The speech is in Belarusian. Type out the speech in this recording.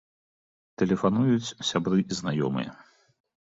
Тэлефануюць сябры і знаёмыя.